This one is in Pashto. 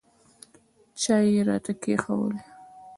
چای یې راته کښېښوولې.